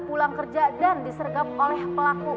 pulang kerja dan disergap oleh pelaku